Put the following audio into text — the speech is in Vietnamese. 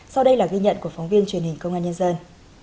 sau đây là ghi nhận của phóng viên truyền hình công an nhân dân